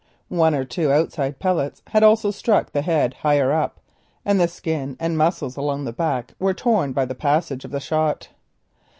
One or two outside pellets had also struck the head higher up, and the skin and muscles along the back were torn by the passage of shot.